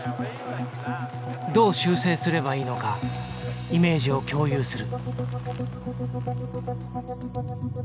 どう修正すればいいのかイメージを共有する。